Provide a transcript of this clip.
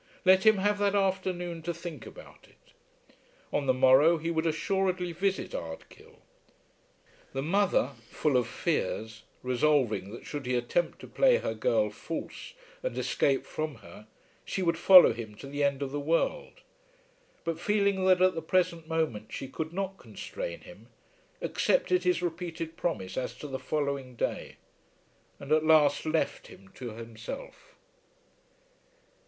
Let him have that afternoon to think about it. On the morrow he would assuredly visit Ardkill. The mother, full of fears, resolving that should he attempt to play her girl false and escape from her she would follow him to the end of the world, but feeling that at the present moment she could not constrain him, accepted his repeated promise as to the following day; and at last left him to himself.